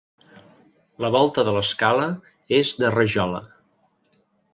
La volta de l'escala és de rajola.